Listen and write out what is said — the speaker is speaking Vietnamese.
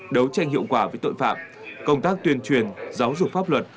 đấu tranh hiệu quả với tội phạm công tác tuyên truyền giáo dục pháp luật